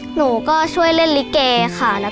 หนูก็ช่วยเล่นลิเกค่ะ